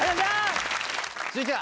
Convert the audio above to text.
続いては。